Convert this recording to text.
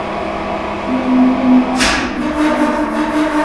yanukuna wasi qushtaykan.